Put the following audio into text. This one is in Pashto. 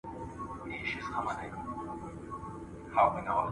د خواهشاتو اطاعت نه کېږي.